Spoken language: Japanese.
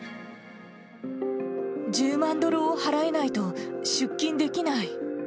１０万ドルを払えないと出金できない。